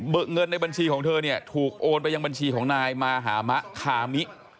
เงินในบัญชีของเธอเนี่ยถูกโอนไปยังบัญชีของนายมาหามะคามิ